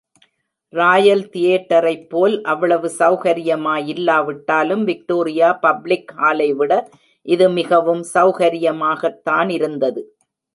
Royal தியேட்டரைப் போல் அவ்வளவு சௌகர்யமாயில்லாவிட்டாலும் விக்டோரியா பப்ளிக் ஹாலைவிட, இது மிகவும் சௌகர்யமாகத்தானிருந்தது.